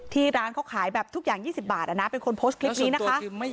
ร้านเขาขายแบบทุกอย่าง๒๐บาทเป็นคนโพสต์คลิปนี้นะคะ